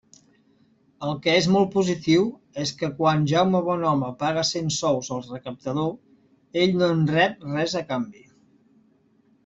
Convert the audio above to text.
El que és molt positiu és que quan Jaume Bonhome paga cent sous al recaptador, ell no en rep res a canvi.